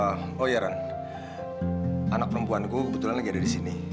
oh ya run anak perempuanku kebetulan lagi ada di sini